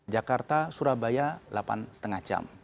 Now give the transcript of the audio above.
jakarta surabaya delapan lima jam